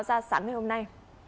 ra sáng ngày hôm nay